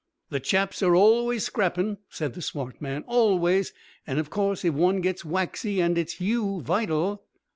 "The chaps are always scrapping," said the swart man. "Always. And, of course if one gets waxy and 'its you vital